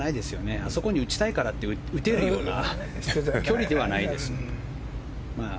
あそこに打ちたいからって打てるような距離ではないです。